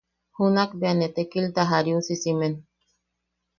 Junak bea ne tekilta jariusisimen.